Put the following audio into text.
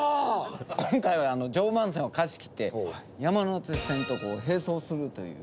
今回は常磐線を貸し切って山手線と並走するという。